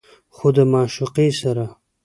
خو د معشوقې سره